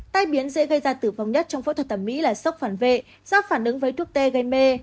tai biến dễ gây ra tử vong nhất trong phẫu thuật thẩm mỹ là sốc phản vệ do phản ứng với thuốc tê gây mê